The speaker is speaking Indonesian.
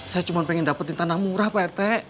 saya cuma pengen dapetin tanah murah pak rt